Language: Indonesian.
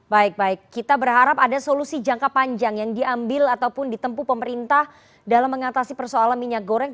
baik baik kita berharap ada solusi jangka panjang yang diambil ataupun ditempu pemerintah dalam mengatasi persoalan minyak goreng